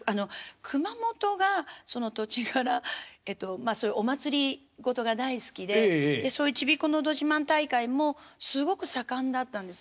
まあそういうお祭り事が大好きでそういうちびっこのど自慢大会もすごく盛んだったんです。